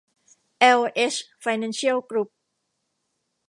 แอล เอช ไฟแนนซ์เชียล กรุ๊ป